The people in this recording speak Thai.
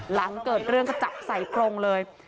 หลังเกิดเรื่องก็จับใส่กรงเลย